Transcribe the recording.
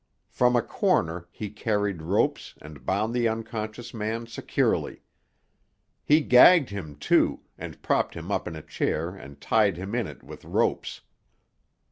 From a corner he carried ropes and bound the unconscious man securely. He gagged him, too, and propped him up in a chair and tied him in it with ropes.